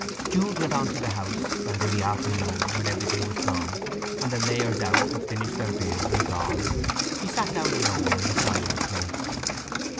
Jude went on to the house, and in the afternoon, when everything was done, and the layers out had finished their beer, and gone, he sat down alone in the silent place.